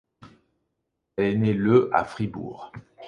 Elle est née le à Fribourg.